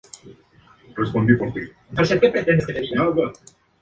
Dentro del mismo, no está claro cuáles serían sus especies más relacionadas.